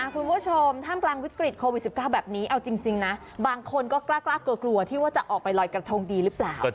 คุณผู้ชมท่ามกลางวิกฤตโควิด๑๙แบบนี้เอาจริงนะบางคนก็กล้ากลัวกลัวที่ว่าจะออกไปลอยกระทงดีหรือเปล่า